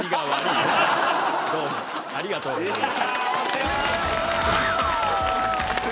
でもありがとうございました。